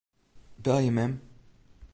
Belje mem.